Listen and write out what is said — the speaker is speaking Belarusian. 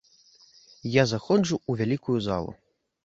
Я заходжу ў вялікую залу.